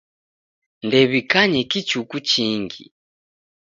Ndew'ikanye kichuku chingi.